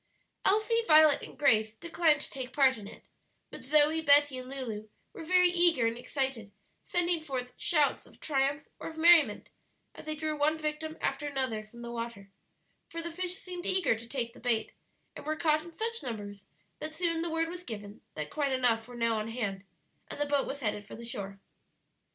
Elsie, Violet, and Grace declined to take part in it, but Zoe, Betty, and Lulu were very eager and excited, sending forth shouts of triumph or of merriment as they drew one victim after another from the water; for the fish seemed eager to take the bait, and were caught in such numbers that soon the word was given that quite enough were now on hand, and the boat was headed for the shore.